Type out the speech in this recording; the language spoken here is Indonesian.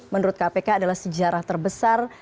menurut kpk adalah sejarah terbesar